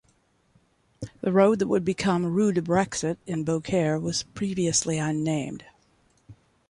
The road that would become "Rue du Brexit" in Beaucaire was previously unnamed.